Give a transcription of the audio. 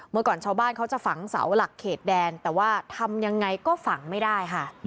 เมื่อก่อนชาวบ้านเขาจะฝังเสาหลักเขตแดนแต่ว่าทำยังไงก็ฝังไม่ได้ค่ะ